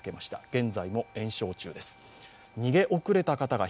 現在も延焼中です。